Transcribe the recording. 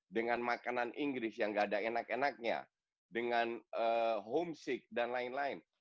dengan makanan inggris yang gak ada enak enaknya dengan homesick dan lain lain